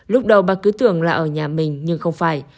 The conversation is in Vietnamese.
lúc đầu bà cứ tưởng là ở nhà mình nhưng không phải